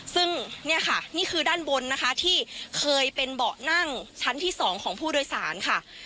ซึ่งเนี่ยค่ะนี่คือด้านบนนะคะที่เคยเป็นเบาะนั่งชั้นที่๒ของผู้โดยสารค่ะ